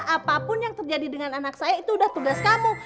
apapun yang terjadi dengan anak saya itu udah tugas kamu